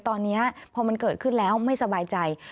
ตอนนี้พอมันเกิดขึ้นแล้วไม่สบายใจ